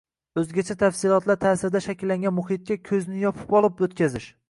o‘zgacha tafsilotlar ta’sirida shakllangan muhitga «ko‘zni yopib olib» o‘tkazish